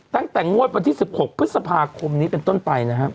ตั้งแต่งวดวันที่๑๖พฤษภาคมนี้เป็นต้นไปนะครับ